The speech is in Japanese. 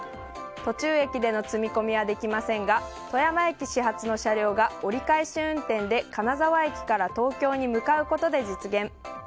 途中駅での積み込みはできませんが富山駅始発の車両が折り返し運転で金沢駅から東京に向かうことで実現。